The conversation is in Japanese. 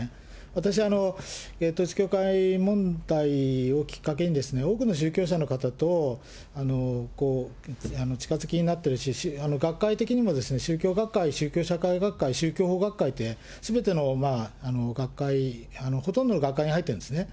私、統一教会問題をきっかけに多くの宗教者の方と近づきになってるし、学会的にも宗教学会、宗教者会学会、宗教法学会ってすべての学会、ほとんどの学会に入ってるんですね。